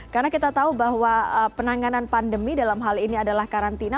karena kita tahu bahwa penanganan pandemi dalam hal ini adalah karantina